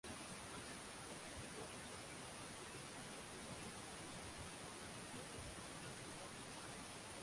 walitaka Kanisa la Kiafrika na kuchukia mambo ya Kilatini alikubali